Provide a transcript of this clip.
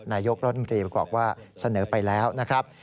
นายกรัฐมนตรีบอกว่าเสนอไปแล้วนะครับ